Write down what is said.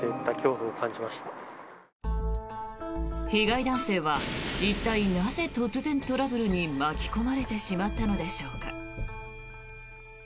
被害男性は一体なぜ突然、トラブルに巻き込まれてしまったのでしょうか。